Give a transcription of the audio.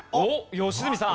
良純さん。